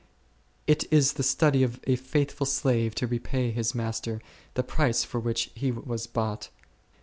It is the study of a faithful slave to repay his master the price for which he was bought.